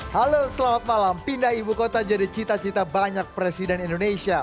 halo selamat malam pindah ibu kota jadi cita cita banyak presiden indonesia